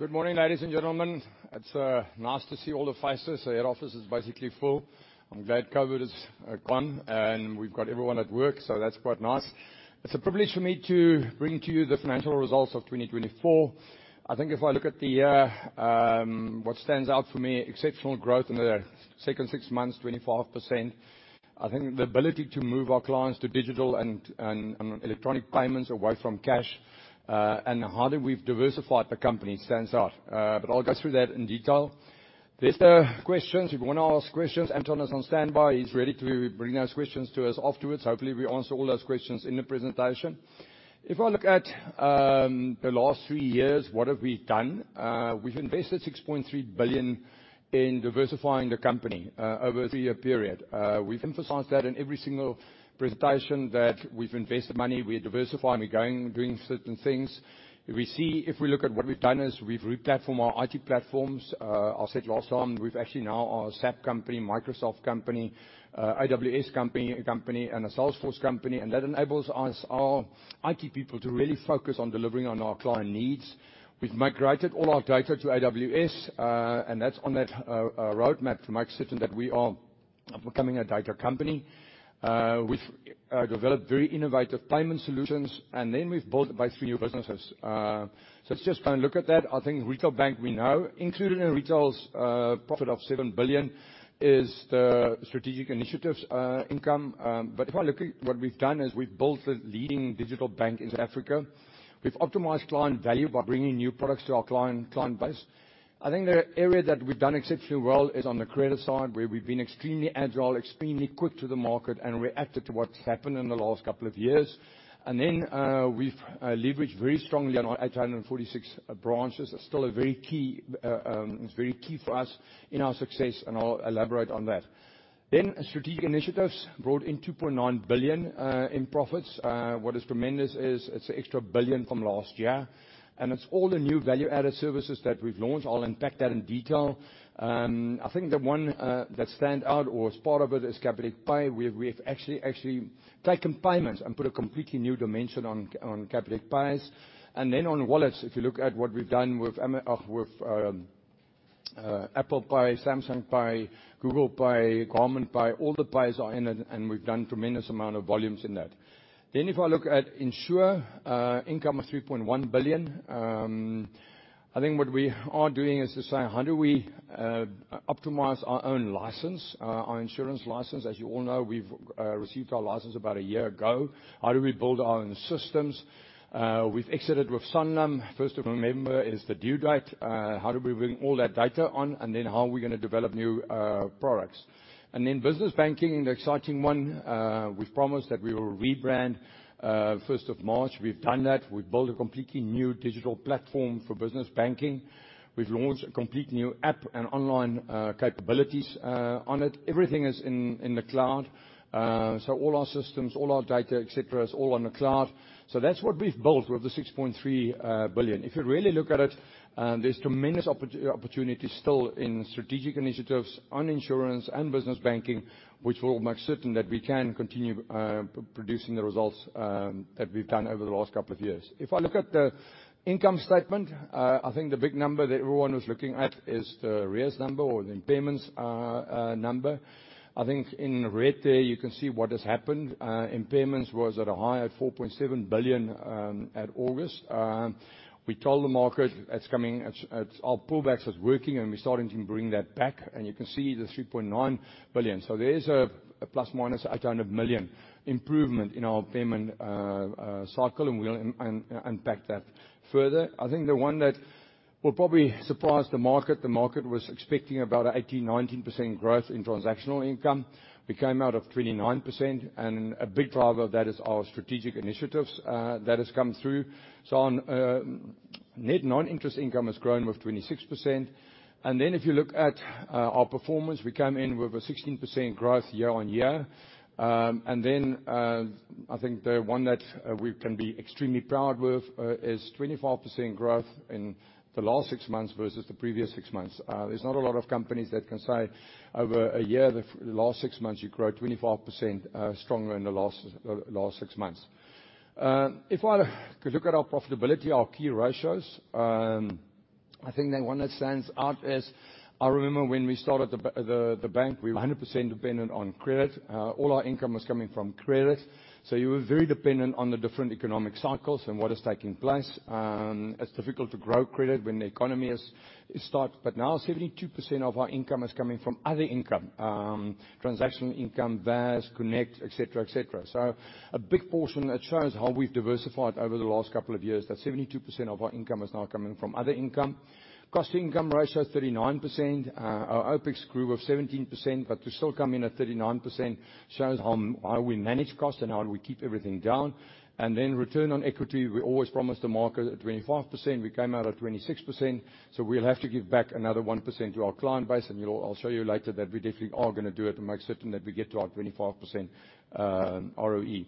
Good morning, ladies and gentlemen. It's nice to see all of you face us. The head office is basically full. I'm glad COVID is gone, and we've got everyone at work, so that's quite nice. It's a privilege for me to bring to you the financial results of 2024. I think if I look at the year, what stands out for me: exceptional growth in the second six months, 25%. I think the ability to move our clients to digital and electronic payments away from cash, and how hardly we've diversified the company stands out. But I'll go through that in detail. There's the questions. If you want to ask questions, Anton is on standby. He's ready to bring those questions to us afterwards. Hopefully, we answer all those questions in the presentation. If I look at the last three years, what have we done? We've invested 6.3 billion in diversifying the company, over a three-year period. We've emphasized that in every single presentation that we've invested money, we're diversifying, we're going doing certain things. We see if we look at what we've done is we've replatformed our IT platforms. I said last time, we've actually now our SAP company, Microsoft company, AWS company, a company, and a Salesforce company, and that enables us, our IT people, to really focus on delivering on our client needs. We've migrated all our data to AWS, and that's on that roadmap to make certain that we are becoming a data company. We've developed very innovative payment solutions, and then we've built about three new businesses. So it's just going to look at that. I think retail bank, we know, included in retail's profit of 7 billion is the strategic initiatives income. But if I look at what we've done is we've built the leading digital bank in Africa. We've optimized client value by bringing new products to our client, client base. I think the area that we've done exceptionally well is on the creative side, where we've been extremely agile, extremely quick to the market, and reacted to what's happened in the last couple of years. And then we've leveraged very strongly on our 846 branches. It's still a very key, it's very key for us in our success, and I'll elaborate on that. Then strategic initiatives brought in 2.9 billion in profits. What is tremendous is it's an extra 1 billion from last year, and it's all the new value-added services that we've launched. I'll unpack that in detail. I think the one that stands out or is part of it is Capitec Pay. We've actually taken payments and put a completely new dimension on Capitec Pay. And then on wallets, if you look at what we've done with Apple Pay, Samsung Pay, Google Pay, Garmin Pay, all the Pays are in it, and we've done a tremendous amount of volumes in that. Then if I look at insurance income of 3.1 billion, I think what we are doing is decide how do we optimize our own license, our insurance license. As you all know, we've received our license about a year ago. How do we build our own systems? We've exited with Sanlam. 1st of November is the due date. How do we bring all that data on, and then how are we going to develop new products? And then business banking, the exciting one, we've promised that we will rebrand 1st of March. We've done that. We've built a completely new digital platform for business banking. We've launched a completely new app and online capabilities on it. Everything is in the cloud, so all our systems, all our data, etc., is all on the cloud. So that's what we've built with the 6.3 billion. If you really look at it, there's tremendous opportunity still in strategic initiatives on insurance and business banking, which will make certain that we can continue producing the results that we've done over the last couple of years. If I look at the income statement, I think the big number that everyone was looking at is the arrears number or the impairments number. I think in red there you can see what has happened. Impairments was at a high at 4.7 billion in August. We told the market it's coming, it's our pullbacks is working, and we're starting to bring that back, and you can see the 3.9 billion. So there is a ±800 million improvement in our payment cycle, and we'll unpack that further. I think the one that will probably surprise the market, the market was expecting about 18%-19% growth in transactional income. We came out of 29%, and a big driver of that is our strategic initiatives that has come through. So, net non-interest income has grown with 26%. And then if you look at our performance, we came in with a 16% growth year-on-year. And then, I think the one that we can be extremely proud with is 25% growth in the last six months versus the previous six months. There's not a lot of companies that can say over a year, the last six months you grow 25%, stronger in the last six months. If I look at our profitability, our key ratios, I think the one that stands out is I remember when we started the bank, we were 100% dependent on credit. All our income was coming from credit, so you were very dependent on the different economic cycles and what is taking place. It's difficult to grow credit when the economy is stuck, but now 72% of our income is coming from other income, transactional income, VAS, Connect, etc., etc. So a big portion that shows how we've diversified over the last couple of years, that 72% of our income is now coming from other income. Cost-to-income ratio 39%. Our OpEx grew with 17%, but to still come in at 39% shows how we manage cost and how we keep everything down. Return on equity, we always promised the market at 25%. We came out at 26%, so we'll have to give back another 1% to our client base, and I'll show you later that we definitely are going to do it and make certain that we get to our 25% ROE.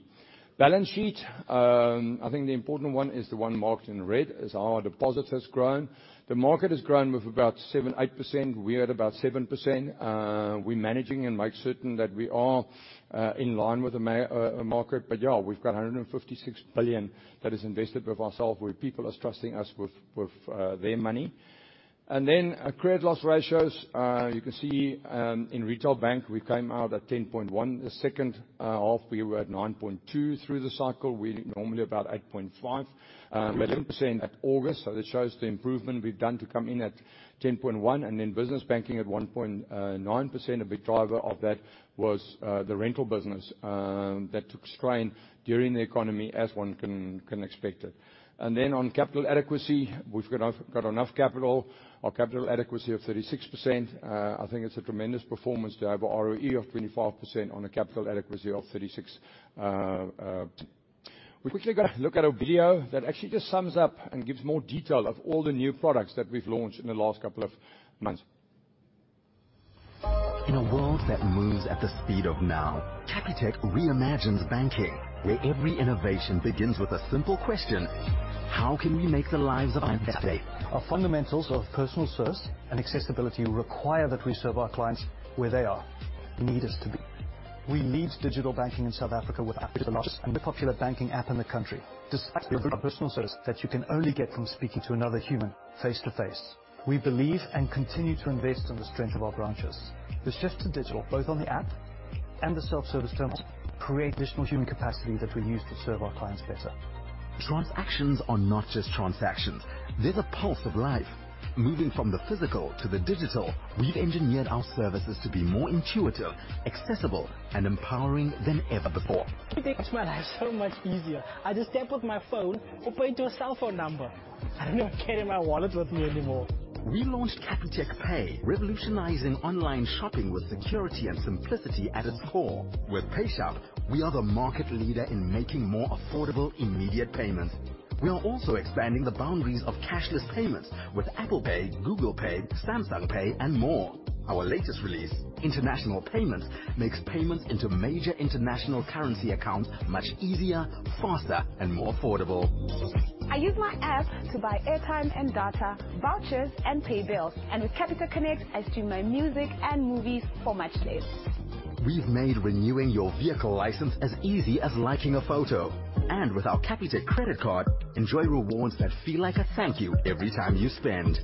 Balance sheet, I think the important one is the one marked in red, is how our deposits has grown. The market has grown with about 7%-8%. We're at about 7%. We're managing and make certain that we are in line with the market, but yeah, we've got 156 billion that is invested with ourselves, where people are trusting us with their money. And then credit loss ratios, you can see, in retail bank, we came out at 10.1%. The second half, we were at 9.2% through the cycle. We're normally about 8.5%-11% at average, so that shows the improvement we've done to come in at 10.1%. And then business banking at 1.9%. A big driver of that was the rental business that took strain during the economy, as one can expect it. And then on capital adequacy, we've got enough capital. Our capital adequacy of 36%, I think it's a tremendous performance to have a ROE of 25% on a capital adequacy of 36. We quickly got to look at a video that actually just sums up and gives more detail of all the new products that we've launched in the last couple of months. In a world that moves at the speed of now, Capitec reimagines banking, where every innovation begins with a simple question: how can we make the lives of our clients better? Our fundamentals of personal service and accessibility require that we serve our clients where they are, need us to be. We lead digital banking in South Africa with our digital largest and most popular banking app in the country, despite the ability of personal service that you can only get from speaking to another human face to face. We believe and continue to invest in the strength of our branches. The shift to digital, both on the app and the self-service terminals, creates additional human capacity that we use to serve our clients better. Transactions are not just transactions. They're the pulse of life. Moving from the physical to the digital, we've engineered our services to be more intuitive, accessible, and empowering than ever before. You make my life so much easier. I just tap with my phone or pay to a cell phone number. I don't even carry my wallet with me anymore. We launched Capitec Pay, revolutionizing online shopping with security and simplicity at its core. With PayShap, we are the market leader in making more affordable, immediate payments. We are also expanding the boundaries of cashless payments with Apple Pay, Google Pay, Samsung Pay, and more. Our latest release, International Payments, makes payments into major international currency accounts much easier, faster, and more affordable. I use my app to buy airtime and data, vouchers, and pay bills, and with Capitec Connect, I stream my music and movies for much less. We've made renewing your vehicle license as easy as liking a photo. With our Capitec credit card, enjoy rewards that feel like a thank you every time you spend.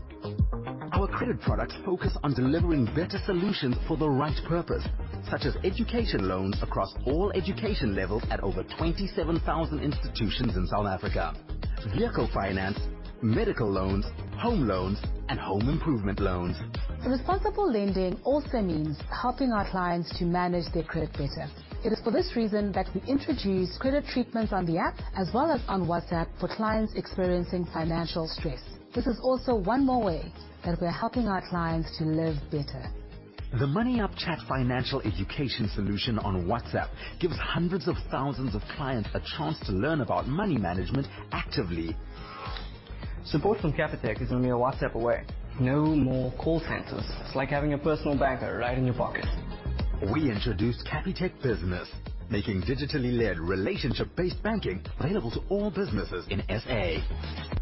Our credit products focus on delivering better solutions for the right purpose, such as education loans across all education levels at over 27,000 institutions in South Africa, vehicle finance, medical loans, home loans, and home improvement loans. The responsible lending also means helping our clients to manage their credit better. It is for this reason that we introduce credit treatments on the app as well as on WhatsApp for clients experiencing financial stress. This is also one more way that we are helping our clients to live better. The MoneyUp Chat financial education solution on WhatsApp gives hundreds of thousands of clients a chance to learn about money management actively. Support from Capitec is only a WhatsApp away. No more call centers. It's like having a personal banker right in your pocket. We introduced Capitec Business, making digitally-led relationship-based banking available to all businesses in SA.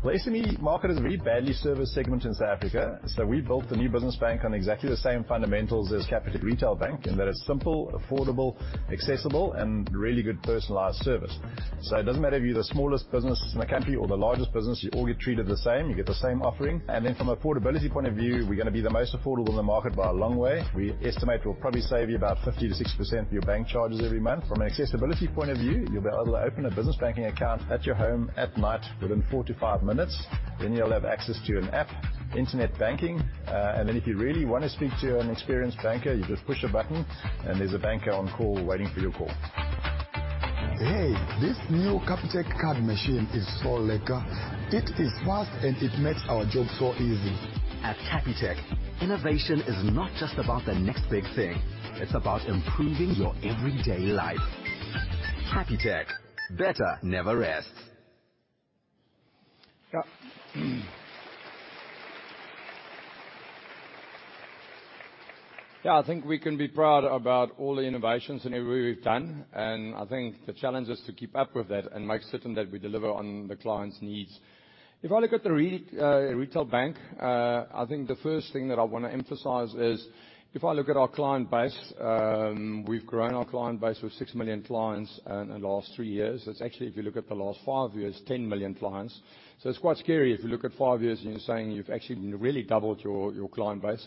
Well, SME market is a very badly serviced segment in South Africa, so we built the new business bank on exactly the same fundamentals as Capitec Retail Bank, in that it's simple, affordable, accessible, and really good personalized service. So it doesn't matter if you're the smallest business in the country or the largest business, you all get treated the same. You get the same offering. And then from an affordability point of view, we're going to be the most affordable in the market by a long way. We estimate we'll probably save you about 50%-60% of your bank charges every month. From an accessibility point of view, you'll be able to open a business banking account at your home at night within four to five minutes. You'll have access to an app, internet banking, and then if you really want to speak to an experienced banker, you just push a button, and there's a banker on call waiting for your call. Hey, this new Capitec card machine is so lekker. It is fast, and it makes our job so easy. At Capitec, innovation is not just about the next big thing. It's about improving your everyday life. Capitec. Better never rests. Yeah. Yeah, I think we can be proud about all the innovations and everything we've done, and I think the challenge is to keep up with that and make certain that we deliver on the client's needs. If I look at the retail bank, I think the first thing that I want to emphasize is if I look at our client base, we've grown our client base with six million clients in the last three years. It's actually, if you look at the last five years, 10 million clients. So it's quite scary if you look at five years and you're saying you've actually really doubled your client base.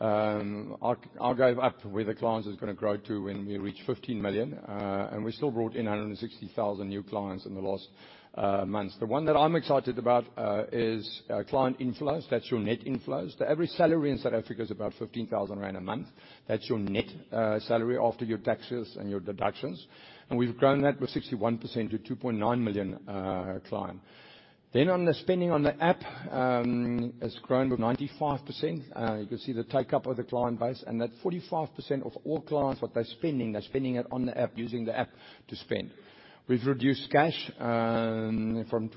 I'll give up where the clients are going to grow to when we reach 15 million, and we still brought in 160,000 new clients in the last months. The one that I'm excited about is client inflows. That's your net inflows. Every salary in South Africa is about 15,000 rand a month. That's your net salary after your taxes and your deductions, and we've grown that with 61% to 2.9 million clients. Then on the spending on the app has grown with 95%. You can see the uptake of the client base, and that 45% of all clients, what they're spending, they're spending it on the app, using the app to spend. We've reduced cash from 24%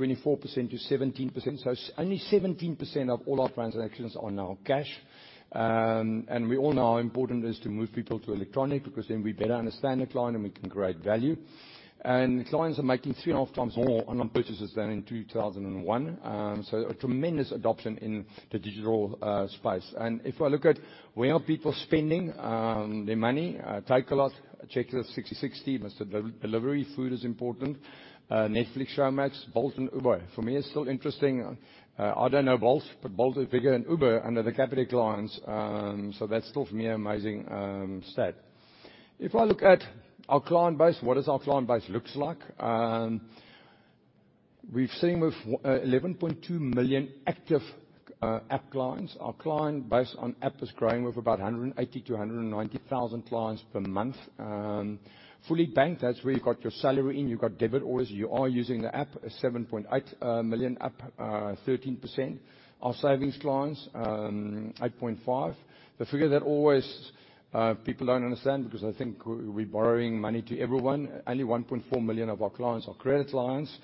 to 17%, so only 17% of all our transactions are now cash. We all know how important it is to move people to electronic because then we better understand the client and we can create value. Clients are making 3.5x more online purchases than in 2001, so a tremendous adoption in the digital space. And if I look at where people are spending their money, Takealot, Checkers Sixty60, Mr D Food is important. Netflix, Showmax, Bolt and Uber. For me, it's still interesting. I don't know Bolt, but Bolt is bigger than Uber under the Capitec clients, so that's still, for me, an amazing stat. If I look at our client base, what does our client base look like? We've seen with 11.2 million active app clients. Our client base on app is growing with about 180,000-190,000 clients per month, fully banked. That's where you've got your salary in. You've got debit orders. You are using the app, 7.8 million app, 13%. Our savings clients, 8.5 million. The figure that always people don't understand because I think we're borrowing money to everyone, only 1.4 million of our clients are credit clients.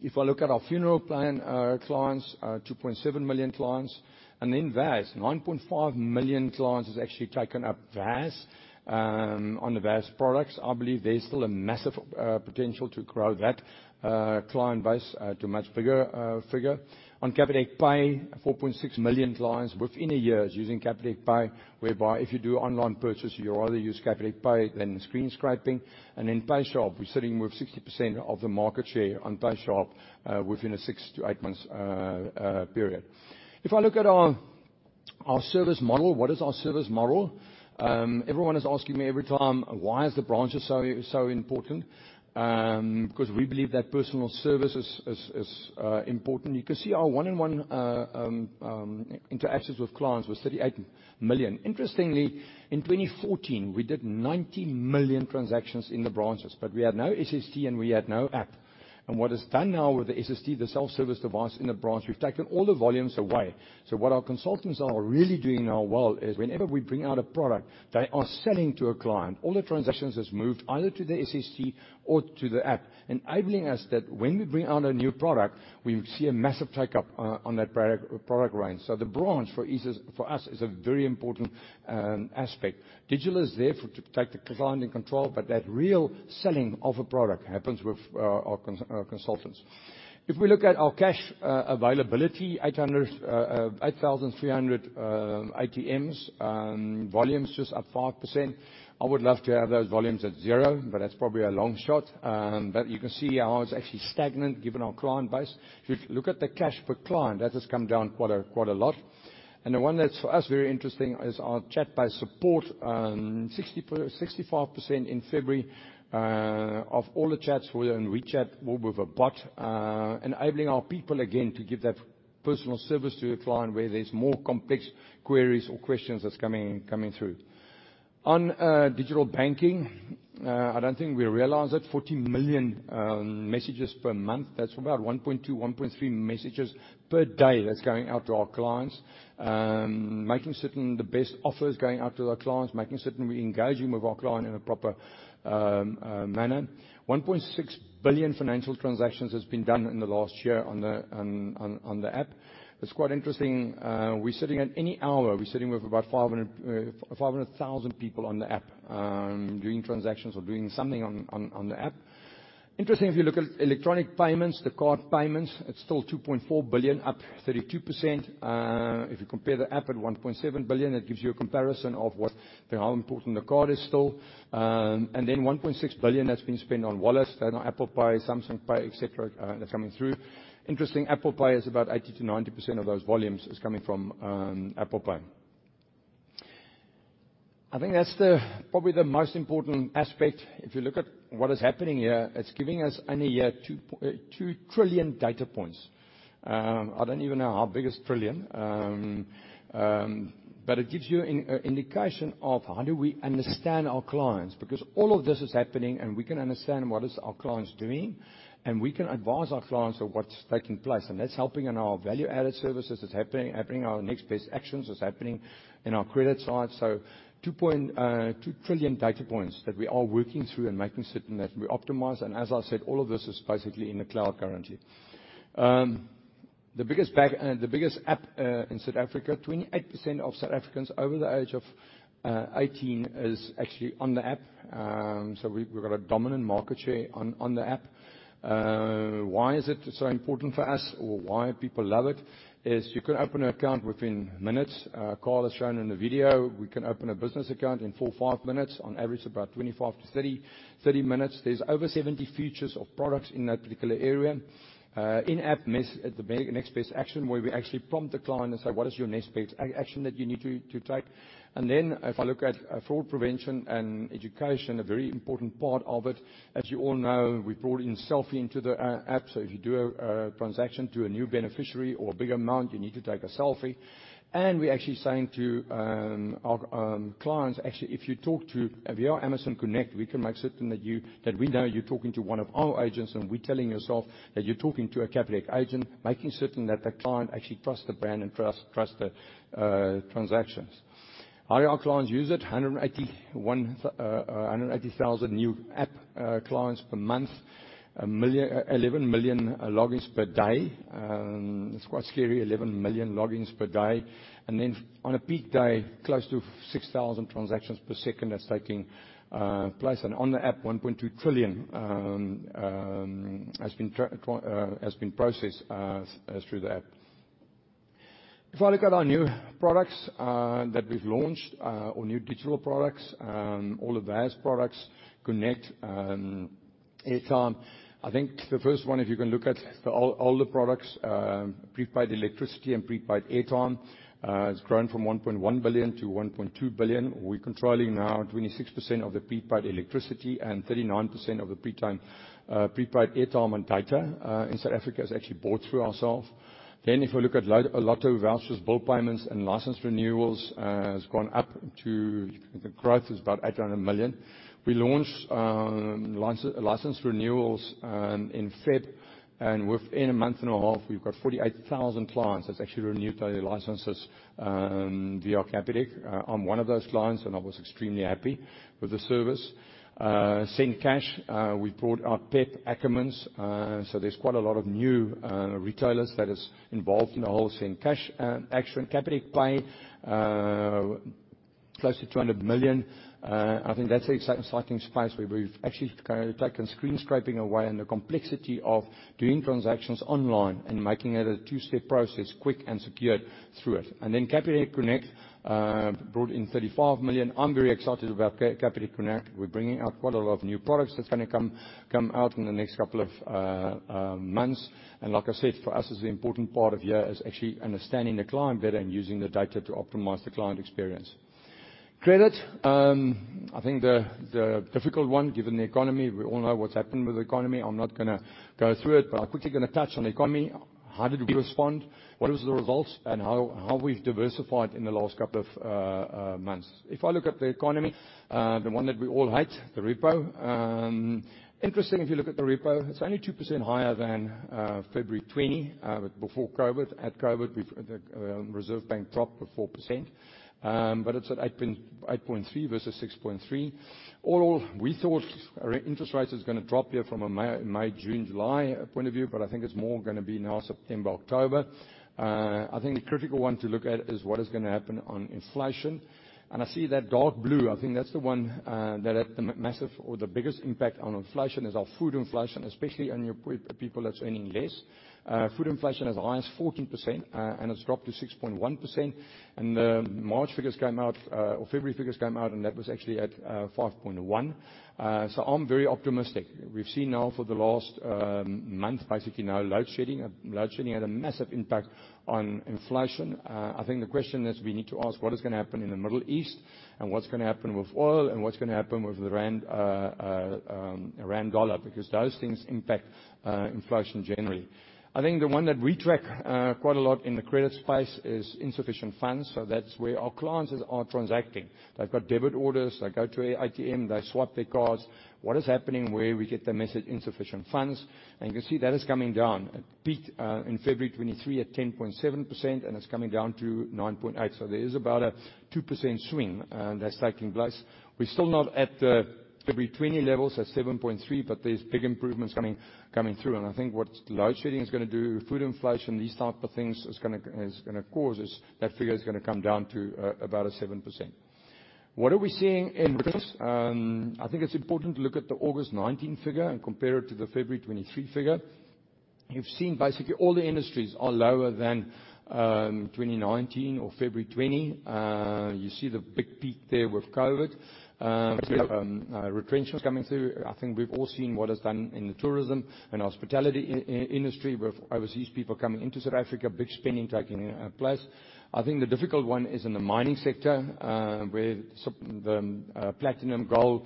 If I look at our funeral plan clients, 2.7 million clients, and then VAS, 9.5 million clients has actually taken up VAS on the VAS products. I believe there's still a massive potential to grow that client base to a much bigger figure. On Capitec Pay, 4.6 million clients within a year using Capitec Pay, whereby if you do online purchase, you rather use Capitec Pay than screen scraping. And then PayShap, we're sitting with 60% of the market share on PayShap, within a six to eight months period. If I look at our, our service model, what is our service model? Everyone is asking me every time, "Why is the branch so, so important?" because we believe that personal service is, is, is, important. You can see our one-on-one interactions with clients was 38 million. Interestingly, in 2014, we did 90 million transactions in the branches, but we had no SST and we had no app. What is done now with the SST, the self-service device in the branch, we've taken all the volumes away. So what our consultants are really doing now well is whenever we bring out a product, they are selling to a client. All the transactions have moved either to the SST or to the app, enabling us that when we bring out a new product, we see a massive takeup on that product, product range. So the branch for us is a very important aspect. Digital is there to take the client in control, but that real selling of a product happens with our consultants. If we look at our cash availability, 8,000, 8,300 ATMs, volumes just up 5%. I would love to have those volumes at zero, but that's probably a long shot, but you can see how it's actually stagnant given our client base. If you look at the cash per client, that has come down quite a quite a lot. The one that's for us very interesting is our chat-based support, 60%-65% in February, of all the chats were in WeChat, all with a bot, enabling our people, again, to give that personal service to a client where there's more complex queries or questions that's coming, coming through. On digital banking, I don't think we realize it, 40 million messages per month. That's about 1.2-1.3 messages per day that's going out to our clients, making certain the best offers going out to our clients, making certain we're engaging with our client in a proper manner. 1.6 billion financial transactions has been done in the last year on the app. It's quite interesting. We're sitting at any hour with about 500,000 people on the app, doing transactions or doing something on the app. Interesting, if you look at electronic payments, the card payments, it's still 2.4 billion, up 32%. If you compare the app at 1.7 billion, that gives you a comparison of what the how important the card is still. And then 1.6 billion that's been spent on wallets that are Apple Pay, Samsung Pay, etc., that's coming through. Interesting, Apple Pay is about 80%-90% of those volumes is coming from Apple Pay. I think that's probably the most important aspect. If you look at what is happening here, it's giving us, in a year, 2.02 trillion data points. I don't even know how big is trillion, but it gives you an indication of how do we understand our clients because all of this is happening, and we can understand what is our clients doing, and we can advise our clients of what's taking place, and that's helping in our value-added services. It's happening, happening in our next best actions. It's happening in our credit side. So 2.2 trillion data points that we are working through and making certain that we optimize, and as I said, all of this is basically in the cloud currently. The biggest bank, the biggest app in South Africa, 28% of South Africans over the age of 18 is actually on the app, so we've got a dominant market share on, on the app. Why is it so important for us or why people love it is you can open an account within minutes. Carl has shown in the video we can open a business account in four to five minutes. On average, about 25-30 minutes. There's over 70 features of products in that particular area. In-app means the next best action where we actually prompt the client and say, "What is your next best action that you need to, to take?" And then if I look at fraud prevention and education, a very important part of it, as you all know, we brought in selfie into the app, so if you do a transaction to a new beneficiary or a big amount, you need to take a selfie. We're actually saying to our clients, actually, if you're Amazon Connect, we can make certain that we know you're talking to one of our agents and we're telling yourself that you're talking to a Capitec agent, making certain that the client actually trusts the brand and trusts the transactions. All our clients use it, 180,000 new app clients per month, 11 million logins per day. It's quite scary, 11 million logins per day. On a peak day, close to 6,000 transactions per second that's taking place, and on the app, 1.2 trillion has been processed through the app. If I look at our new products, that we've launched, or new digital products, all of VAS products, Connect, Airtime, I think the first one, if you can look at the old, older products, prepaid electricity and prepaid Airtime, it's grown from 1.1 billion to 1.2 billion. We're controlling now 26% of the prepaid electricity and 39% of the pre-time, prepaid Airtime and data, in South Africa has actually bought through ourselves. Then if I look at Lotto vouchers, bill payments, and license renewals, it's gone up to the growth is about 800 million. We launched, license renewals, in February, and within a month and a half, we've got 48,000 clients that's actually renewed their licenses, via Capitec. I'm one of those clients, and I was extremely happy with the service. SendCash, we brought our PEP accountants, so there's quite a lot of new retailers that are involved in the whole SendCash action. Capitec Pay, close to 200 million. I think that's an exciting space where we've actually kind of taken screen scraping away and the complexity of doing transactions online and making it a two-step process, quick and secured through it. And then Capitec Connect, brought in 35 million. I'm very excited about Capitec Connect. We're bringing out quite a lot of new products. It's going to come out in the next couple of months. And like I said, for us, it's an important part of here is actually understanding the client better and using the data to optimize the client experience. Credit, I think the difficult one, given the economy, we all know what's happened with the economy. I'm not going to go through it, but I'm quickly going to touch on the economy, how did we respond, what was the results, and how we've diversified in the last couple of months. If I look at the economy, the one that we all hate, the repo, interesting, if you look at the repo, it's only 2% higher than February 2020, before COVID. At COVID, the Reserve Bank dropped by 4%, but it's at 8.3% versus 6.3%. All we thought interest rates was going to drop here from a May, June, July point of view, but I think it's more going to be now September, October. I think the critical one to look at is what is going to happen on inflation, and I see that dark blue. I think that's the one that had the massive or the biggest impact on inflation is our food inflation, especially on your people that's earning less. Food inflation is high as 14%, and it's dropped to 6.1%. The March figures came out, or February figures came out, and that was actually at 5.1%. So I'm very optimistic. We've seen now for the last month, basically now, load shedding. Load shedding had a massive impact on inflation. I think the question that we need to ask is what is going to happen in the Middle East and what's going to happen with oil and what's going to happen with the rand-dollar because those things impact inflation generally. I think the one that we track quite a lot in the credit space is insufficient funds, so that's where our clients are transacting. They've got debit orders. They go to an ATM. They swipe their cards. What is happening where we get the message, "Insufficient funds?" And you can see that is coming down. At peak, in February 2023, at 10.7%, and it's coming down to 9.8%, so there is about a 2% swing, that's taking place. We're still not at the February 2020 levels at 7.3%, but there's big improvements coming through. And I think what load shedding is going to do, food inflation, these type of things, is going to cause that figure to come down to about a 7%. What are we seeing in returns? I think it's important to look at the August 2019 figure and compare it to the February 2023 figure. You've seen basically all the industries are lower than 2019 or February 2020. You see the big peak there with COVID. Retrenchments coming through. I think we've all seen what is done in the tourism and hospitality industry with overseas people coming into South Africa, big spending taking place. I think the difficult one is in the mining sector, where the platinum, gold,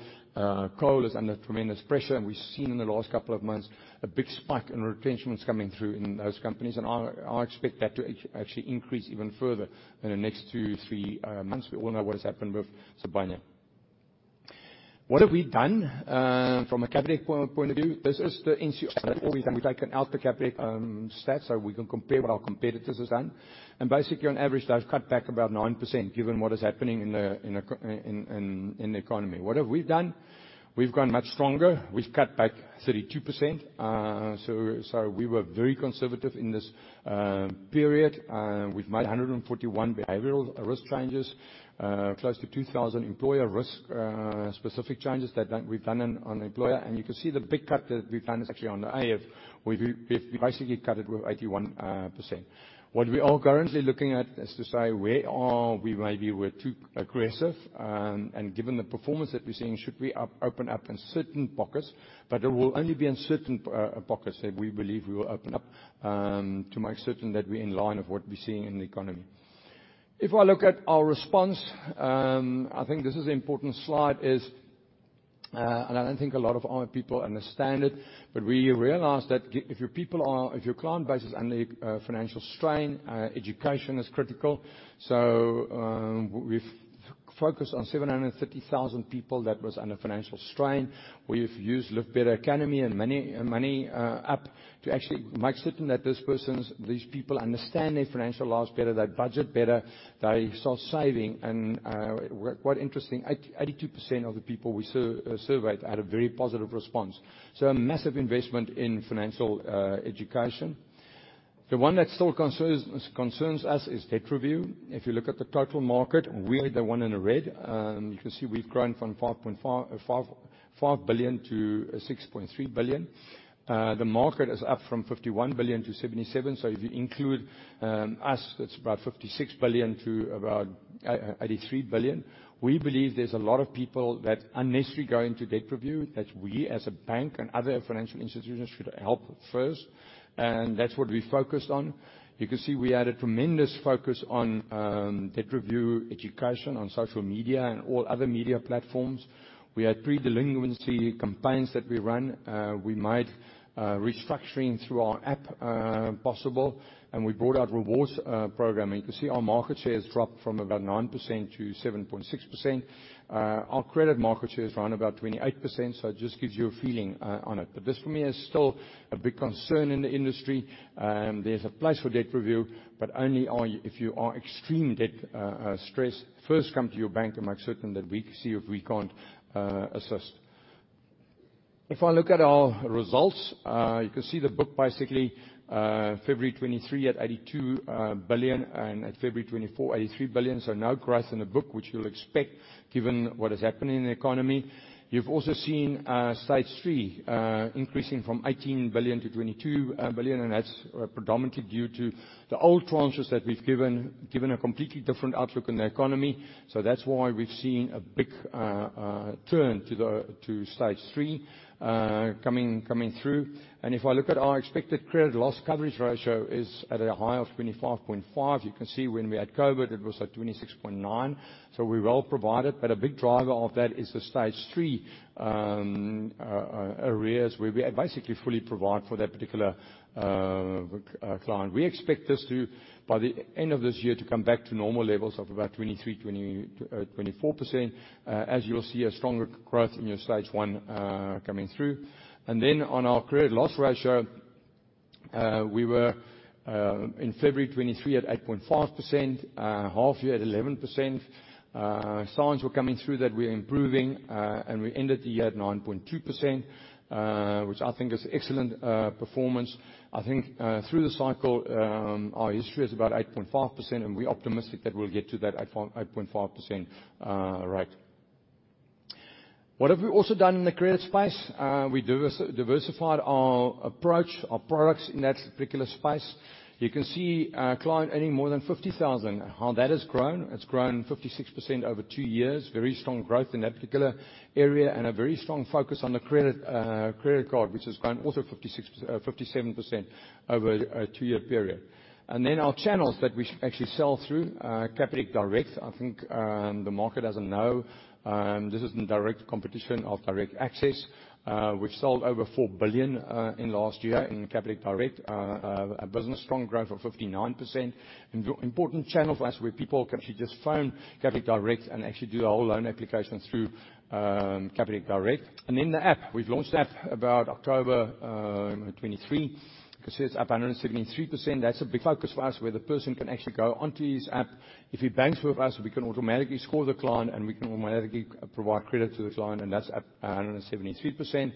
coal is under tremendous pressure, and we've seen in the last couple of months a big spike in retrenchments coming through in those companies, and I expect that to actually increase even further in the next two, three months. We all know what has happened with Sibanye. What have we done, from a Capitec point of view? This is the NCR that we've done. We've taken out the Capitec stats so we can compare what our competitors have done. Basically, on average, they've cut back about 9% given what is happening in the economy. What have we done? We've gone much stronger. We've cut back 32%, so we were very conservative in this period. We've made 141 behavioral risk changes, close to 2,000 employer risk specific changes that we've done on employer, and you can see the big cut that we've done is actually on the IF. We've basically cut it with 81%. What we are currently looking at is to say where are we, maybe we were too aggressive, and given the performance that we're seeing, should we open up in certain pockets, but it will only be in certain pockets that we believe we will open up, to make certain that we're in line of what we're seeing in the economy. If I look at our response, I think this is an important slide, and I don't think a lot of our people understand it, but we realize that if your client base is under financial strain, education is critical. So, we've focused on 750,000 people that was under financial strain. We've used Live Better Academy and MoneyUp to actually make certain that those persons these people understand their financial lives better. They budget better. They start saving, and, what's interesting, 82% of the people we surveyed had a very positive response. So a massive investment in financial education. The one that still concerns us is debt review. If you look at the total market, we're the one in the red. You can see we've grown 5.5 billion-6.3 billion. The market is up from 51 billion-77 billion, so if you include us, that's about 56 billion to about 83 billion. We believe there's a lot of people that unnecessarily go into debt review that we, as a bank and other financial institutions, should help first, and that's what we focused on. You can see we had a tremendous focus on debt review education on social media, and all other media platforms. We had pre-delinquency campaigns that we run, we might restructuring through our app possible, and we brought out rewards programming. You can see our market share has dropped from about 9% to 7.6%. Our credit market share is around about 28%, so it just gives you a feeling on it, but this, for me, is still a big concern in the industry. There's a place for debt review, but only if you are in extreme debt stress. First come to your bank and make certain that we can see if we can't assist. If I look at our results, you can see the book basically February 2023 at 82 billion and at February 2024 83 billion, so no growth in the book which you'll expect given what is happening in the economy. You've also seen stage three increasing from 18 billion to 22 billion, and that's predominantly due to the old transfers that we've given given a completely different outlook in the economy, so that's why we've seen a big turn to the stage three coming through. And if I look at our expected credit loss coverage ratio is at a high of 25.5%. You can see when we had COVID, it was at 26.9%, so we'll provide it, but a big driver of that is the stage three areas where we basically fully provide for that particular client. We expect this to, by the end of this year, come back to normal levels of about 23%-24%, as you'll see a stronger growth in your stage 1 coming through. And then on our credit loss ratio, we were in February 2023 at 8.5%, half-year at 11%. Signs were coming through that we're improving, and we ended the year at 9.2%, which I think is excellent performance. I think, through the cycle, our history is about 8.5%, and we're optimistic that we'll get to that 8.5% rate. What have we also done in the credit space? We diversified our approach, our products in that particular space. You can see, client earning more than 50,000, how that has grown. It's grown 56% over two years, very strong growth in that particular area, and a very strong focus on the credit, credit card which has grown also 56%, 57% over a two-year period. And then our channels that we actually sell through, Capitec Direct. I think, the market doesn't know, this isn't direct competition of DirectAxis. We've sold over 4 billion in last year in Capitec Direct, a business, strong growth of 59%. An important channel for us where people can actually just phone Capitec Direct and actually do their whole loan application through Capitec Direct. And then the app. We've launched the app about October 2023. You can see it's up 173%. That's a big focus for us, where the person can actually go onto his app. If he banks with us, we can automatically score the client, and we can automatically provide credit to the client, and that's up 173%.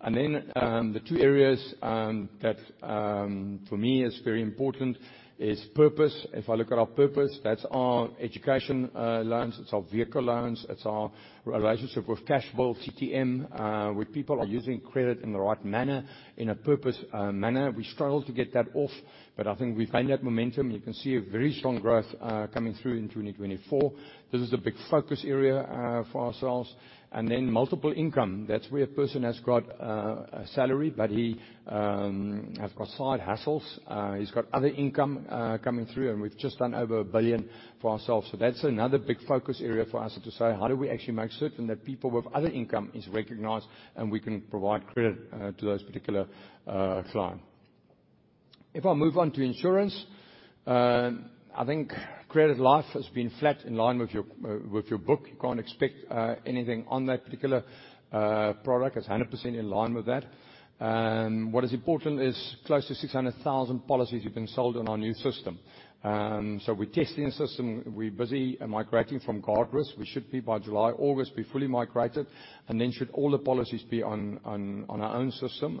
And then, the two areas that, for me, is very important is purpose. If I look at our purpose, that's our education loans. It's our vehicle loans. It's our relationship with Cashbuild, CTM, where people are using credit in the right manner, in a purposeful manner. We struggled to get that off, but I think we've gained that momentum. You can see a very strong growth coming through in 2024. This is a big focus area for ourselves. And then multiple income. That's where a person has got a salary, but he has got side hustles. He's got other income coming through, and we've just done over 1 billion for ourselves, so that's another big focus area for us to say how do we actually make certain that people with other income is recognized and we can provide credit to those particular client. If I move on to insurance, I think credit life has been flat in line with your book. You can't expect anything on that particular product. It's 100% in line with that. What is important is close to 600,000 policies have been sold on our new system. We're testing the system. We're busy migrating from Guardrisk. We should be by July, August, be fully migrated, and then should all the policies be on our own system,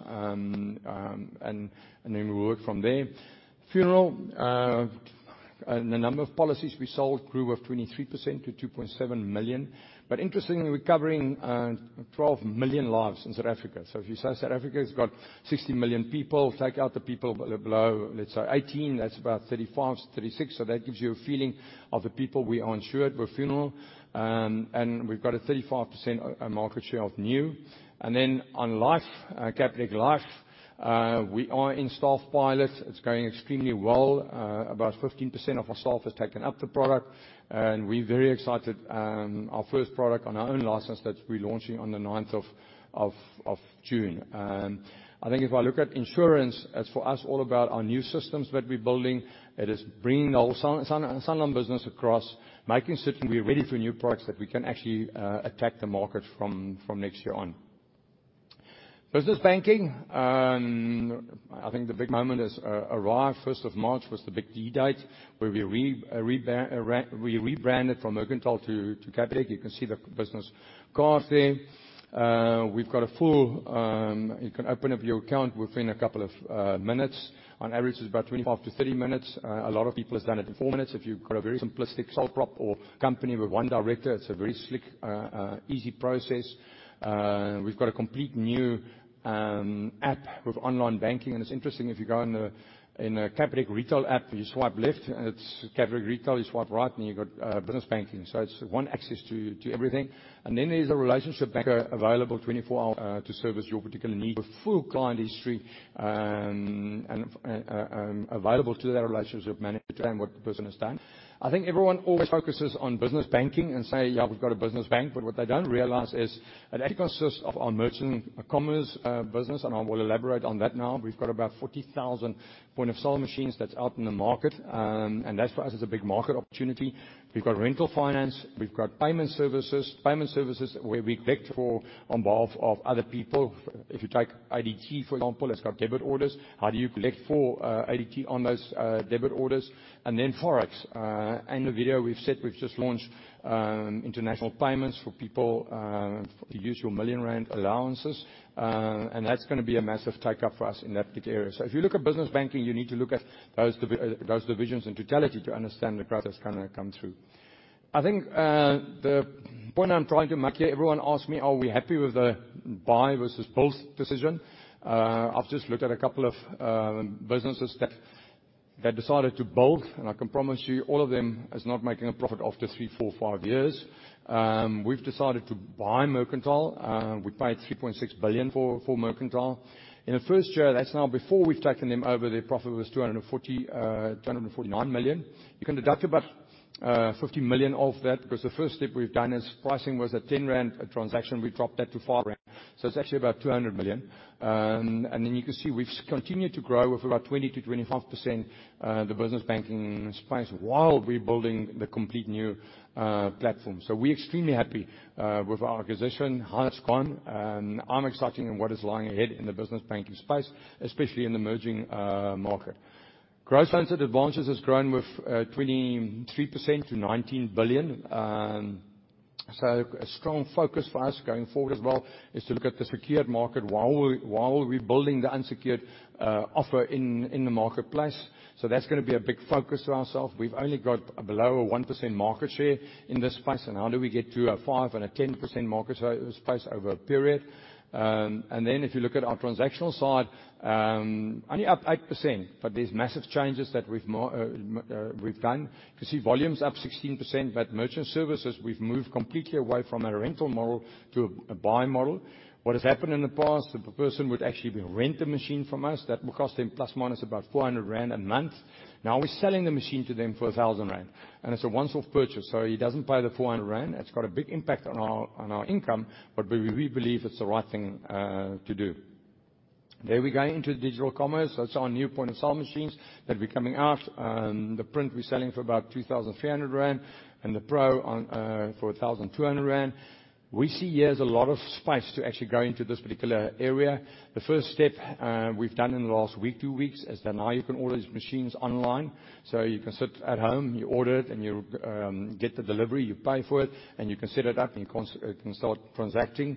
and then we'll work from there. Funeral, and the number of policies we sold grew with 23%-2.7 million, but interestingly, we're covering 12 million lives in South Africa, so if you say South Africa's got 60 million people, take out the people below, let's say 18%, that's about 35%-36%, so that gives you a feeling of the people we are insured with funeral, and we've got a 35% market share of new. And then on life, Capitec Life, we are in staff pilot. It's going extremely well. About 15% of our staff has taken up the product, and we're very excited, our first product on our own license that we're launching on the 9th of June. I think if I look at insurance, it's for us all about our new systems that we're building. It is bringing the whole small business across, making certain we're ready for new products that we can actually attack the market from next year on. Business Banking, I think the big moment has arrived. 1st of March was the big D date where we rebranded from Mercantile to Capitec. You can see the business card there. We've got a full, you can open up your account within a couple of minutes. On average, it's about 25-30 minutes. A lot of people have done it in four minutes. If you've got a very simplistic sole prop or company with one director, it's a very slick, easy process. We've got a completely new app with online banking, and it's interesting. If you go in the Capitec retail app, you swipe left, it's Capitec retail. You swipe right, and you've got business banking, so it's one access to everything. And then there's a relationship banker available 24 hours to service your particular need with full client history and available to that relationship manager to tell them what the person has done. I think everyone always focuses on business banking and say, "Yeah, we've got a business bank," but what they don't realize is it actually consists of our merchant commerce business, and I will elaborate on that now. We've got about 40,000 point-of-sale machines that's out in the market, and that's for us is a big market opportunity. We've got rental finance. We've got payment services, payment services where we collect for on behalf of other people. If you take ADT, for example, it's got debit orders. How do you collect for ADT on those debit orders? And then Forex. In the video, we've said we've just launched international payments for people to use your million-rand allowances, and that's going to be a massive take-up for us in that big area. So if you look at business banking, you need to look at those divisions in totality to understand the growth that's going to come through. I think the point I'm trying to make here, everyone asked me, "Are we happy with the buy versus build decision?" I've just looked at a couple of businesses that decided to build, and I can promise you all of them are not making a profit after three, four, five years. We've decided to buy Mercantile. We paid 3.6 billion for Mercantile. In the first year, that's now before we've taken them over, their profit was 240 million-249 million. You can deduct about 50 million off that because the first step we've done is pricing was at 10 rand a transaction. We dropped that to 5 rand, so it's actually about 200 million. And then you can see we've continued to grow with about 20%-25% the business banking space while we're building the completely new platform. So we're extremely happy with our organization how it's gone. I'm excited in what is lying ahead in the business banking space, especially in the emerging market. Customer advances has grown with 23%- 19 billion, so a strong focus for us going forward as well is to look at the secured market while we're building the unsecured offer in the marketplace, so that's going to be a big focus for ourselves. We've only got below 1% market share in this space, and how do we get to a 5% and 10% market share space over a period? And then if you look at our transactional side, only up 8%, but there's massive changes that we've done. You can see volume's up 16%, but merchant services, we've moved completely away from a rental model to a buy model. What has happened in the past, the person would actually rent a machine from us. That will cost them plus-minus about 400 rand a month. Now we're selling the machine to them for 1,000 rand, and it's a once-off purchase, so he doesn't pay the 400 rand. It's got a big impact on our income, but we believe it's the right thing to do. There we go into digital commerce. That's our new point-of-sale machines that we're coming out. The print we're selling for about 2,300 rand and the pro on, for 1,200 rand. We see here's a lot of space to actually go into this particular area. The first step, we've done in the last week, two weeks is that now you can order these machines online, so you can sit at home, you order it, and you get the delivery. You pay for it, and you can set it up, and you can connect it and it can start transacting.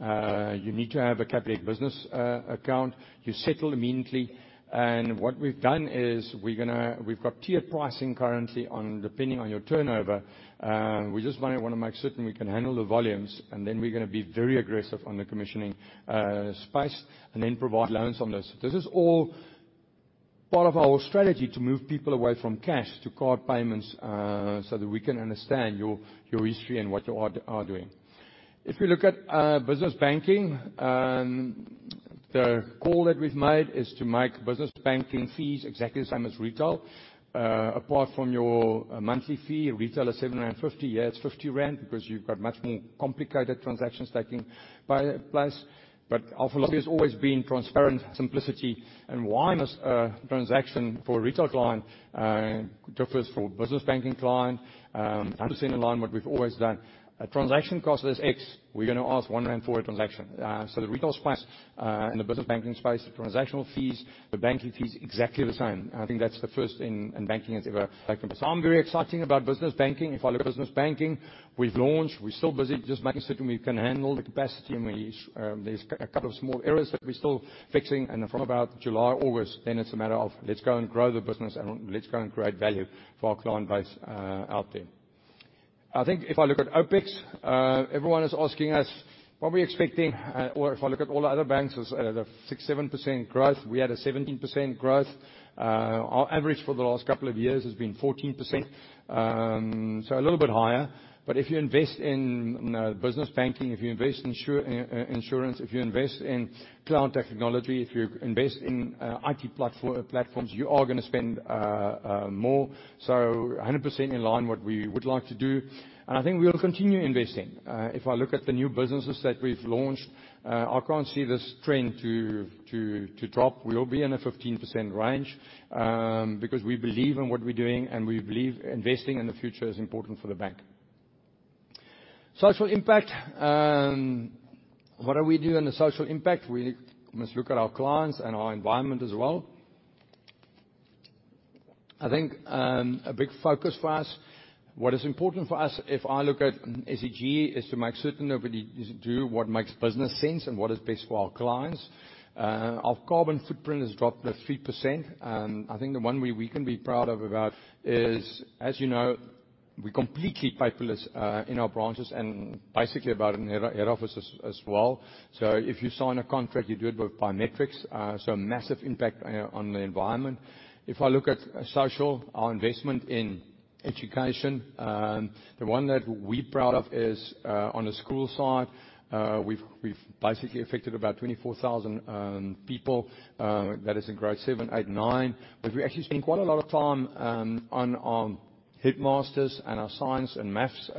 You need to have a Capitec business account. You settle immediately, and what we've done is we're going to; we've got tiered pricing currently on depending on your turnover. We just want to make certain we can handle the volumes, and then we're going to be very aggressive on the commissioning space and then provide loans on those. This is all part of our strategy to move people away from cash to card payments, so that we can understand your, your history and what you are, are doing. If we look at business banking, the call that we've made is to make business banking fees exactly the same as retail, apart from your monthly fee. Retail is 7.50. Yeah, it's 50 rand because you've got much more complicated transactions taking place, but our philosophy has always been transparent, simplicity, and why must a transaction for a retail client differs from a business banking client, 100% in line with what we've always done. A transaction cost is X. We're going to ask 1 rand for a transaction. So the retail space, and the business banking space, the transactional fees, the banking fees exactly the same. I think that's the first in, in banking has ever taken place. I'm very excited about business banking. If I look at business banking, we've launched. We're still busy just making certain we can handle the capacity, and we, there's a couple of small errors that we're still fixing, and from about July, August, then it's a matter of let's go and grow the business and let's go and create value for our client base, out there. I think if I look at OpEx, everyone is asking us what we're expecting, or if I look at all the other banks, it's at a 6%-7% growth. We had a 17% growth. Our average for the last couple of years has been 14%, so a little bit higher, but if you invest in business banking, if you invest in insurance, if you invest in cloud technology, if you invest in IT platforms, you are going to spend more, so 100% in line with what we would like to do, and I think we'll continue investing. If I look at the new businesses that we've launched, I can't see this trend to drop. We'll be in a 15% range, because we believe in what we're doing, and we believe investing in the future is important for the bank. Social impact, what do we do in the social impact? We must look at our clients and our environment as well. I think, a big focus for us, what is important for us if I look at ESG, is to make certain that we do what makes business sense and what is best for our clients. Our carbon footprint has dropped to 3%, and I think the one we can be proud of about is, as you know, we're completely paperless, in our branches and basically about in head offices as well, so if you sign a contract, you do it with biometrics, so massive impact on the environment. If I look at social, our investment in education, the one that we're proud of is, on the school side, we've basically affected about 24,000 people that is in grade seven, eight, nine, but we're actually spending quite a lot of time on our headmasters and our science and maths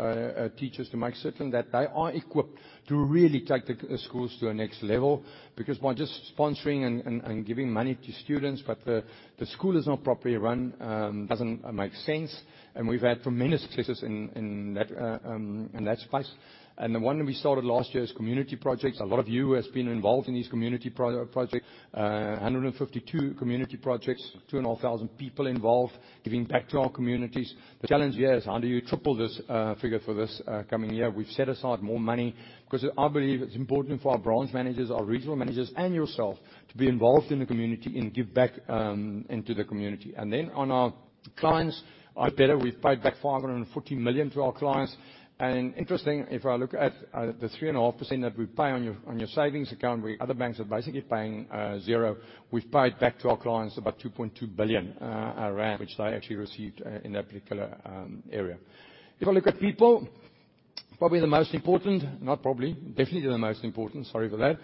teachers to make certain that they are equipped to really take the schools to a next level because by just sponsoring and giving money to students, but the school is not properly run, doesn't make sense, and we've had tremendous successes in that space. The one that we started last year is community projects. A lot of you have been involved in these community projects, 152 community projects, 2,500 people involved giving back to our communities. The challenge here is how do you triple this figure for this coming year. We've set aside more money because I believe it's important for our branch managers, our regional managers, and yourself to be involved in the community and give back into the community. And then on our clients, I bet we've paid back 540 million to our clients, and interestingly, if I look at the 3.5% that we pay on your savings account where other banks are basically paying 0%, we've paid back to our clients about 2.2 billion rand, which they actually received in that particular area. If I look at people, probably the most important, not probably, definitely the most important, sorry for that,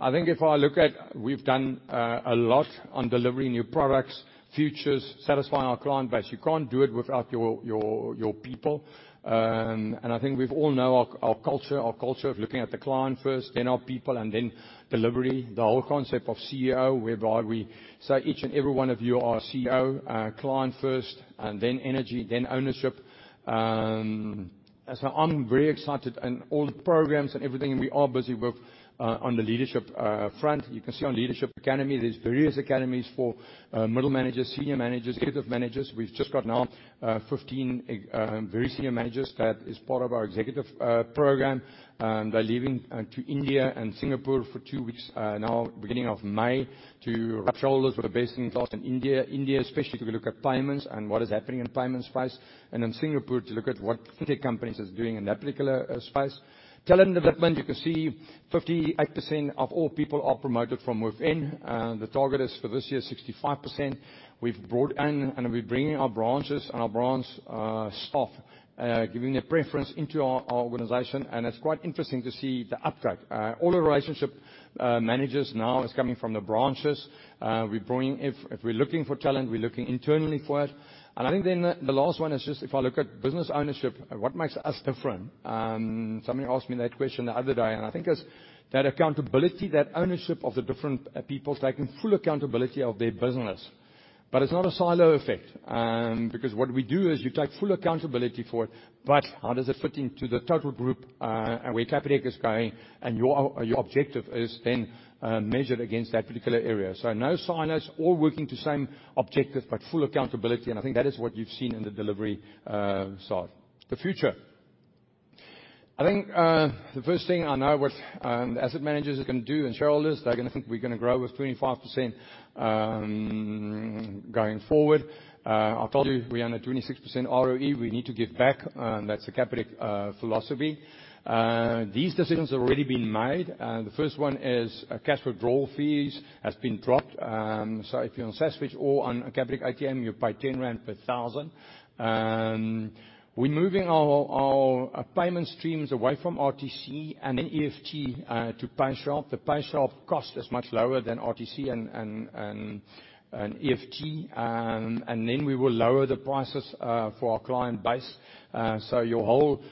I think if I look at we've done a lot on delivering new products, features, satisfying our client base. You can't do it without your people, and I think we all know our culture of looking at the client first, then our people, and then delivery, the whole concept of CEO whereby we say each and every one of you are CEO, client first, and then energy, then ownership, so I'm very excited in all the programs and everything, and we are busy with on the leadership front. You can see on Leadership Academy, there's various academies for middle managers, senior managers, executive managers. We've just got now 15 very senior managers. That is part of our executive program. They're leaving to India and Singapore for two weeks now, beginning of May, to rub shoulders with the best in class in India, India, especially if we look at payments and what is happening in payment space, and in Singapore to look at what Capitec companies are doing in that particular space. Talent development. You can see 58% of all people are promoted from within. The target is for this year 65%. We've brought in and we're bringing our branches and our branch staff, giving their preference into our organization, and it's quite interesting to see the uptake. All the relationship managers now are coming from the branches. We're bringing if, if we're looking for talent, we're looking internally for it, and I think then the last one is just if I look at business ownership, what makes us different. Somebody asked me that question the other day, and I think it's that accountability, that ownership of the different people taking full accountability of their business, but it's not a silo effect, because what we do is you take full accountability for it, but how does it fit into the total group, and where Capitec is going, and your, your objective is then measured against that particular area. So no silos, all working to same objective, but full accountability, and I think that is what you've seen in the delivery side. The future. I think the first thing I know what asset managers are going to do and shareholders. They're going to think we're going to grow with 25%, going forward. I've told you we're under 26% ROE. We need to give back. That's the Capitec philosophy. These decisions have already been made. The first one is cash withdrawal fees has been dropped, so if you're on Saswitch or on Capitec ATM, you pay 10 rand per thousand. We're moving our payment streams away from RTC and then EFT to PayShap. The PayShap cost is much lower than RTC and EFT, and then we will lower the prices for our client base, so your whole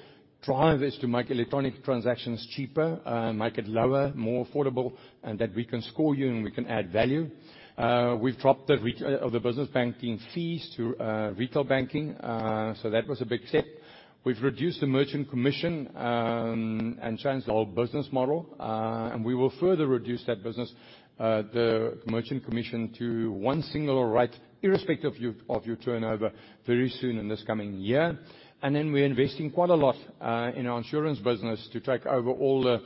drive is to make electronic transactions cheaper, make it lower, more affordable, and that we can score you and we can add value. We've dropped the rate of the business banking fees to retail banking, so that was a big step. We've reduced the merchant commission, and changed the whole business model, and we will further reduce that, the merchant commission to one single rate irrespective of your turnover very soon in this coming year, and then we're investing quite a lot in our insurance business to take over all the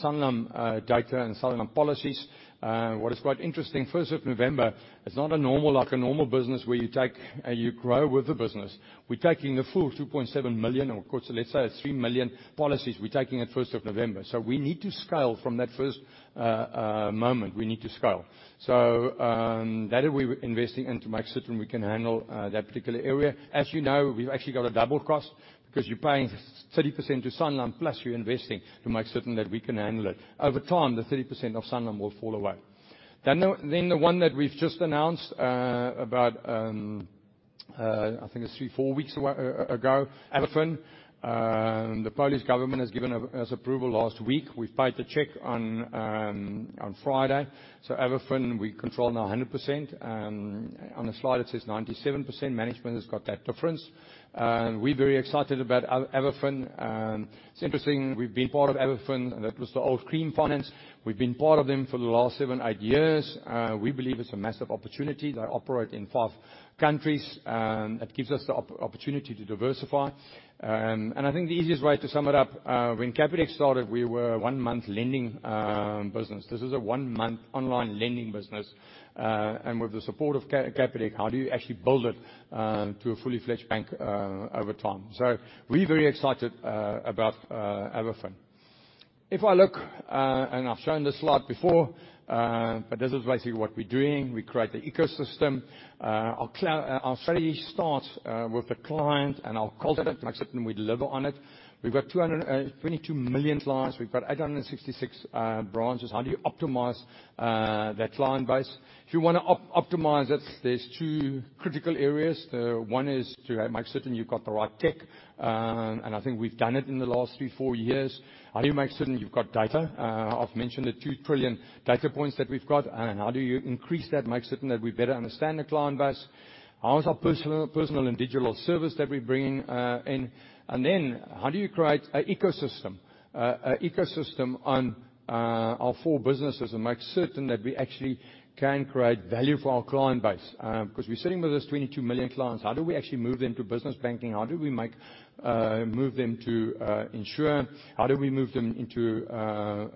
Sanlam data and Sanlam policies. What is quite interesting, first of November, it's not a normal like a normal business where you take and you grow with the business. We're taking the full 2.7 million or, of course, let's say it's three million policies. We're taking it first of November, so we need to scale from that first moment. We need to scale. So, that's why we're investing into making certain we can handle that particular area. As you know, we've actually got a double cost because you're paying 30% to Sanlam plus you're investing to make certain that we can handle it. Over time, the 30% of Sanlam will fall away. Then the one that we've just announced, about, I think it'sthree to four weeks away ago, Avafin, the Polish government has given us approval last week. We've paid the check on, on Friday, so Avafin, we control now 100%. On the slide, it says 97%. Management has got that difference. We're very excited about Avafin. It's interesting. We've been part of Avafin. That was the old Creamfinance. We've been part of them for the last seven to eight years. We believe it's a massive opportunity. They operate in five countries, that gives us the opportunity to diversify. I think the easiest way to sum it up, when Capitec started, we were a one-month lending business. This is a one-month online lending business, and with the support of Capitec, how do you actually build it to a full-fledged bank over time? So we're very excited about Avafin. If I look, and I've shown this slide before, but this is basically what we're doing. We create the ecosystem. Our strategy starts with the client, and our call to make certain we deliver on it. We've got 20.22 million clients. We've got 866 branches. How do you optimize that client base? If you want to optimize it, there's two critical areas. The one is to make certain you've got the right tech, and I think we've done it in the last three to four years. How do you make certain you've got data? I've mentioned the two trillion data points that we've got, and how do you increase that, make certain that we better understand the client base? How is our personal, personal and digital service that we're bringing, in? And then how do you create an ecosystem, an ecosystem on, our four businesses and make certain that we actually can create value for our client base, because we're sitting with this 22 million clients. How do we actually move them to business banking? How do we make, move them to, insurance? How do we move them into,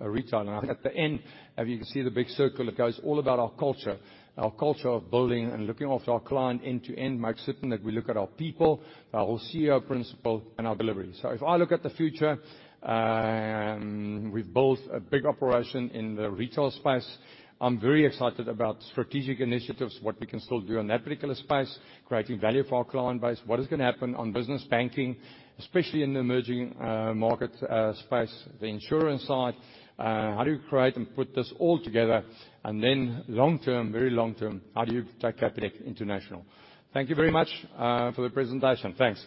retail? And at the end, if you can see the big circle, it goes all about our culture, our culture of building and looking after our client end to end, making certain that we look at our people, our whole CEO principle, and our delivery. So if I look at the future, we've built a big operation in the retail space. I'm very excited about strategic initiatives, what we can still do in that particular space, creating value for our client base, what is going to happen on business banking, especially in the emerging market space, the insurance side, how do you create and put this all together, and then long term, very long term, how do you take Capitec international? Thank you very much for the presentation. Thanks.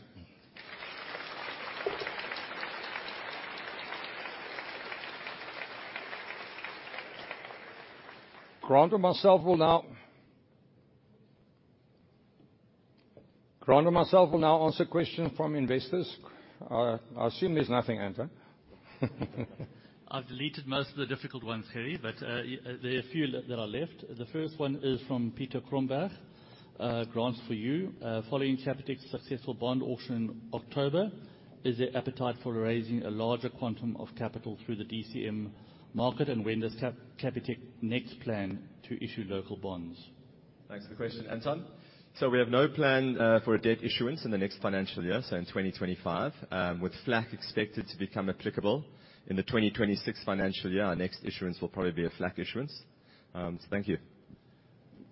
Grant or myself will now Grant or myself will now answer questions from investors. I assume there's nothing, Anton. I've deleted most of the difficult ones, Gerhard, but there are a few that are left. The first one is from Peter Cromberge, Grant, for you. Following Capitec's successful bond auction in October, is there appetite for raising a larger quantum of capital through the DCM market, and when does Capitec next plan to issue local bonds? Thanks for the question, Anton. So we have no plan for a debt issuance in the next financial year, so in 2025, with FLAC expected to become applicable in the 2026 financial year, our next issuance will probably be a FLAC issuance. So thank you.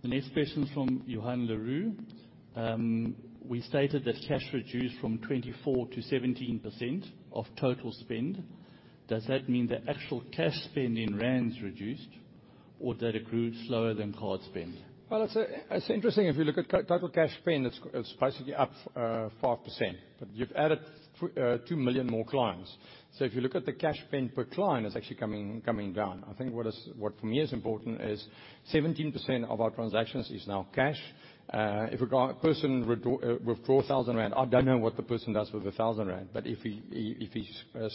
The next question's from Johan Le Roux. We stated that cash reduced from 24%-17% of total spend. Does that mean that actual cash spend in rands reduced, or did it grow slower than card spend? Well, it's interesting. If you look at total cash spend, it's basically up 5%, but you've added two million more clients. So if you look at the cash spend per client, it's actually coming, coming down. I think what is what for me is important is 17% of our transactions is now cash. If a person withdraws 1,000 rand, I don't know what the person does with the 1,000 rand, but if he, if he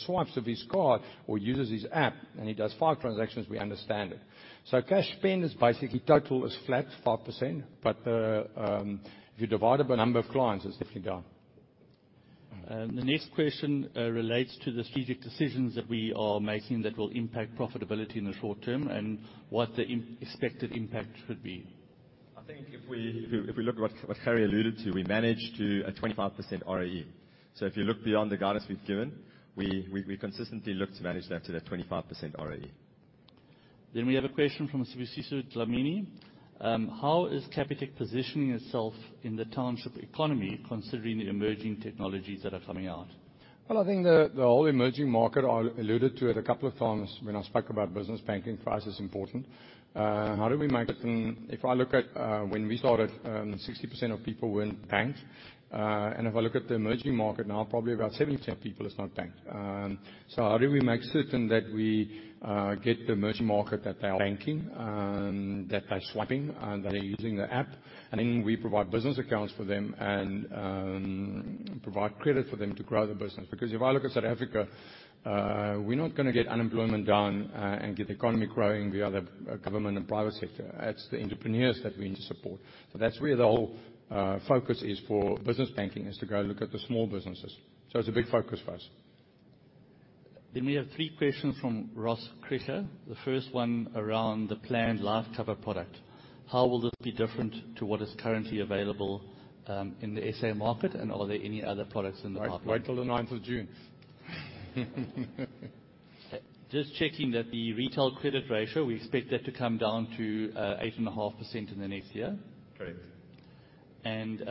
swipes with his card or uses his app and he does 5 transactions, we understand it. So cash spend is basically total is flat, 5%, but the, if you divide it by number of clients, it's definitely down. The next question relates to the strategic decisions that we are making that will impact profitability in the short term and what the expected impact should be. I think if we if we look at what Harry alluded to, we manage to a 25% ROE. So if you look beyond the guidance we've given, we consistently look to manage that to that 25% ROE. Then we have a question from Sibusiso Dlamini. How is Capitec positioning itself in the township economy considering the emerging technologies that are coming out? Well, I think the whole emerging market I alluded to it a couple of times when I spoke about business banking for us is important. How do we make it and if I look at, when we started, 60% of people weren't banked, and if I look at the emerging market now, probably about 70% of people are not banked. So how do we make certain that we get the emerging market that they are banking, that they're swiping, that they're using the app, and then we provide business accounts for them and provide credit for them to grow the business? Because if I look at South Africa, we're not going to get unemployment down and get the economy growing via the government and private sector. It's the entrepreneurs that we need to support. So that's where the whole focus is for Business Banking is to go look at the small businesses. So it's a big focus for us. Then we have three questions from Ross Krige. The first one around the planned life cover product. How will this be different to what is currently available in the SA market, and are there any other products in the market? Wait till the 9th of June. Just checking that the retail credit ratio, we expect that to come down to 8.5% in the next year. Correct.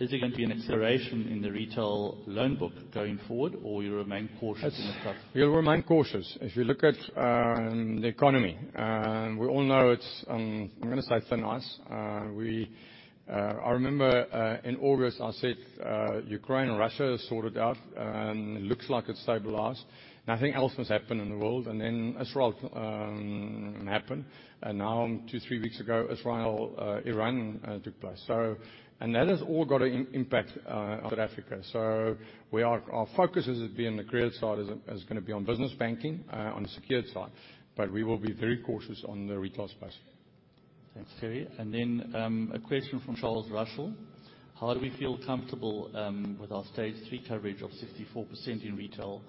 Is there going to be an acceleration in the retail loan book going forward, or you remain cautious in the process? Yes, we'll remain cautious. If you look at the economy, we all know it's, I'm going to say thin ice. We, I remember, in August, I said, Ukraine and Russia are sorted out, looks like it's stabilized, nothing else has happened in the world, and then Israel happened, and now two, three weeks ago, Israel, Iran took place. So and that has all got an impact on South Africa. So we are our focus is to be on the credit side is, is going to be on business banking, on the secured side, but we will be very cautious on the retail space. Thanks, Gerhard. A question from Charles Russell. How do we feel comfortable with our stage three coverage of 64% in retail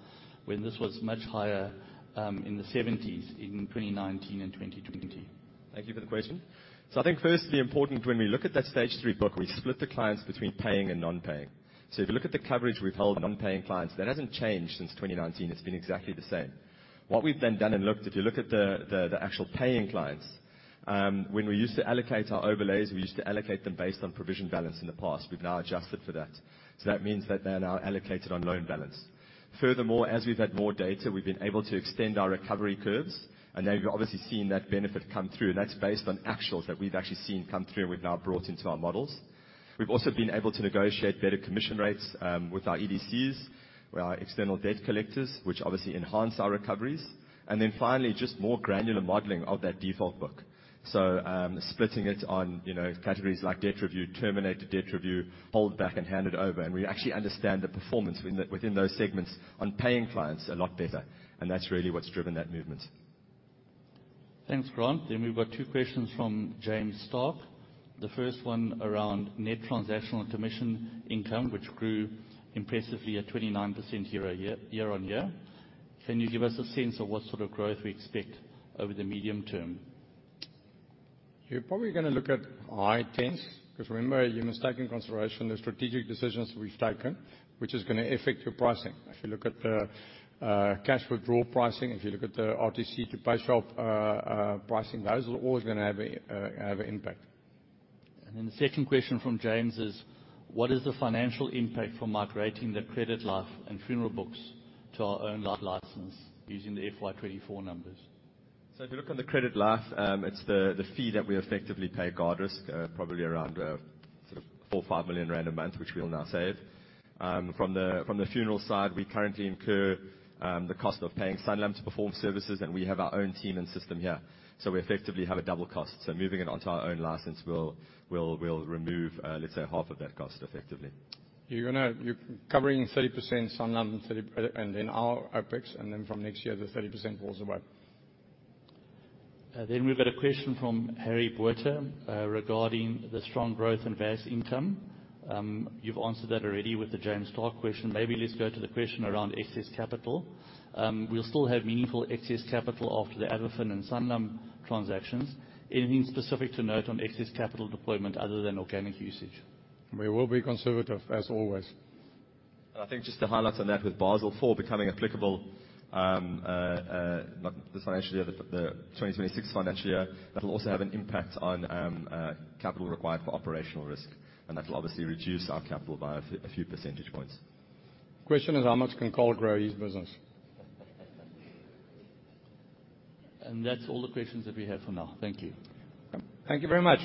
when this was much higher, in the 70s in 2019 and 2020? Thank you for the question. I think firstly important when we look at that stage three book, we split the clients between paying and non-paying. If you look at the coverage we've held non-paying clients, that hasn't changed since 2019. It's been exactly the same. What we've then done and looked, if you look at the actual paying clients, when we used to allocate our overlays, we used to allocate them based on provision balance in the past. We've now adjusted for that. That means that they are now allocated on loan balance. Furthermore, as we've had more data, we've been able to extend our recovery curves, and now you've obviously seen that benefit come through, and that's based on actuals that we've actually seen come through and we've now brought into our models. We've also been able to negotiate better commission rates, with our EDCs, with our external debt collectors, which obviously enhance our recoveries, and then finally just more granular modeling of that default book. So, splitting it on, you know, categories like debt review, terminated debt review segments on paying clients a lot better, and that's really what's driven that moveew, hold back, and handed over, and we actually understand the performance within thoment. Thanks, Grant. Then we've got two questions from James Starke. The first one around net transactional commission income, which grew impressively at 29% year-on-year. Can you give us a sense of what sort of growth we expect over the medium term? You're probably going to look at high tens because remember, you must take in consideration the strategic decisions we've taken, which is going to affect your pricing. If you look at the cash withdrawal pricing, if you look at the RTC to PayShap pricing, those are always going to have an impact. And then the second question from James is, what is the financial impact from migrating the credit life and funeral books to our own life license using the FY2024 numbers? So if you look on the credit life, it's the fee that we effectively pay Guard Risk, probably around sort of 4 million-5 million rand a month, which we'll now save. From the funeral side, we currently incur the cost of paying Sanlam to perform services, and we have our own team and system here, so we effectively have a double cost. So moving it onto our own license will remove, let's say, half of that cost effectively. You're going to cover 30% Sanlam and 30% and then our OpEx, and then from next year, the 30% falls away. We've got a question from Harry Botha regarding the strong growth and vast income. You've answered that already with the James Starke question. Maybe let's go to the question around excess capital. We'll still have meaningful excess capital after the Avafin and Sanlam transactions. Anything specific to note on excess capital deployment other than organic usage? We will be conservative, as always. I think just to highlight on that with Basel IV becoming applicable, not this financial year, the 2026 financial year, that'll also have an impact on capital required for operational risk, and that'll obviously reduce our capital by a few percentage points. Question is how much can Colgrow ease business? And that's all the questions that we have for now. Thank you. Thank you very much.